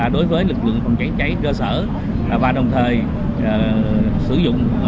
đối với lực lượng phòng cháy cháy cơ sở và đồng thời sử dụng